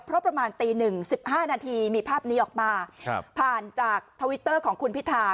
เพราะประมาณตีหนึ่งสิบห้านาทีมีภาพนี้ออกมาผ่านจากทวิตเตอร์ของคุณพิธา